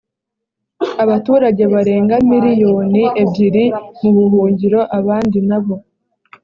abaturage barenga miriyoni ebyiri mu buhungiro abandi na bo